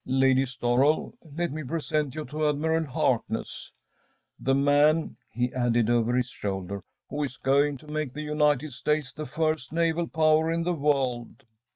“Lady Storrel, let me present to you Admiral Harkness, the man,‚ÄĚ he added, over his shoulder, “who is going to make the United States the first Naval Power in the world.